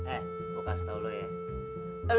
eh gue kasih tau lo ya